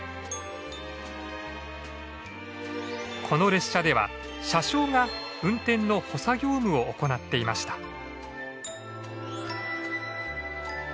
この列車では車掌が運転の補佐業務を行っていました。